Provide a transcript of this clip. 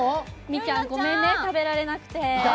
みきゃん、ごめんね、食べられなくて。